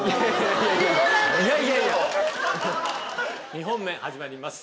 ２本目始まります。